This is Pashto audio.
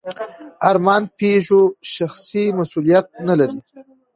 ارمان پيژو شخصي مسوولیت نهلري.